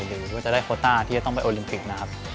หรือว่าจะได้โคต้าที่จะต้องไปโอลิมปิกนะครับ